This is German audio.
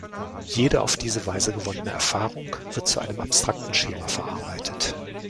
Jede auf diese Weise gewonnene Erfahrung wird zu einem abstrakten Schema verarbeitet.